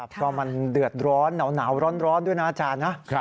ก็มันเดือดร้อนหนาวร้อนด้วยนะอาจารย์นะ